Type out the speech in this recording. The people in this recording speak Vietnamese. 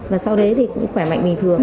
mà sau đấy thì cũng khỏe mạnh bình thường